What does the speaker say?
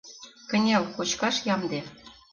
— Кынел — кочкаш ямде.